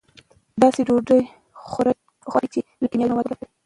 داسې ډوډۍ غوره کړئ چې لږ کیمیاوي مواد ولري.